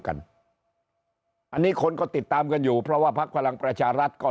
กันอันนี้คนก็ติดตามกันอยู่เพราะว่าพักพลังประชารัฐก็